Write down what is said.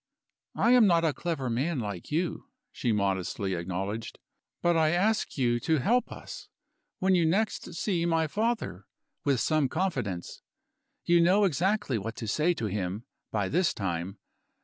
"I am not a clever man like you," she modestly acknowledged, "but I ask you to help us, when you next see my father, with some confidence. You know exactly what to say to him, by this time.